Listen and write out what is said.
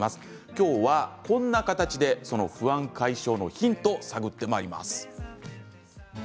今日はこんな形でその不安解消のヒント、探ってまいります。